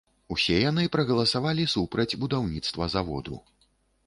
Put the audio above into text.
Усе яны прагаласавалі супраць будаўніцтва заводу.